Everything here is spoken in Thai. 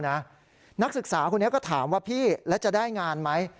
นักศึกษาคนนี้ก็ถามว่าพี่แล้วจะได้งานไหม